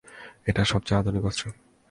এটা সবচেয়ে আধুনিক অস্ত্র।